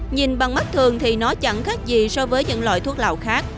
nhìn bằng mắt thường thì nó chẳng khác gì so với những loại thuốc lào khác